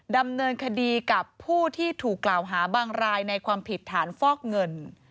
ดำเนินคดีกับผู้ที่ถูกกล่าวหาบางรายในความผิดฐานฟอกเงิน